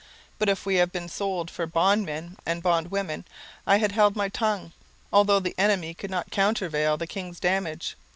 But if we had been sold for bondmen and bondwomen, I had held my tongue, although the enemy could not countervail the king's damage.